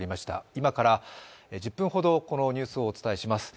今から１０分ほど、このニュースをお伝えします。